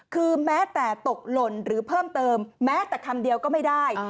คือแม้แต่ตกหล่นหรือเพิ่มเติมแม้แต่คำเดียวก็ไม่ได้